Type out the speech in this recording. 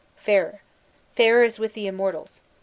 Ferrer — Ferrer is with the immortals.